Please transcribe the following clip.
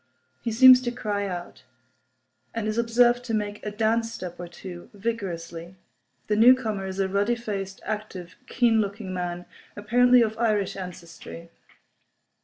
He seems to cry out; and is observed to make a dance step or two, vigorously. The newcomer is a ruddy faced, active, keen looking man, apparently of Irish ancestry.